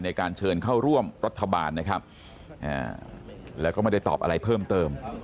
ในการเชิญเข้าร่วมรัฐบาลนะครับแล้วก็ไม่ได้ตอบอะไรเพิ่มเติม